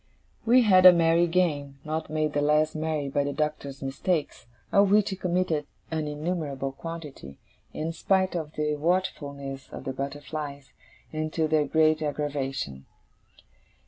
We had a merry game, not made the less merry by the Doctor's mistakes, of which he committed an innumerable quantity, in spite of the watchfulness of the butterflies, and to their great aggravation.